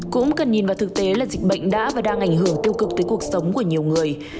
cũng cần nhìn vào thực tế là dịch bệnh đã và đang ảnh hưởng tiêu cực tới cuộc sống của nhiều người